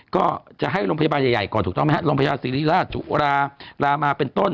ก็จะให้โรงพยาบาลใหญ่ก่อนถูกต้องไหมฮะโรงพยาบาลศิริราชจุฬาลามาเป็นต้น